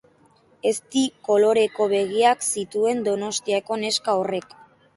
Ezti koloreko begiak zituen Donostiako neska horrek